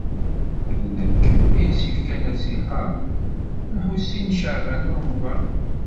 D nekk ay as-yefkan asihaṛ i Lḥusin n Caɛban u Ṛemḍan.